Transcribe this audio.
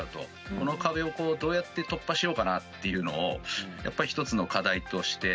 この壁をどうやって突破しようかなっていうのをやっぱり１つの課題として持っていて。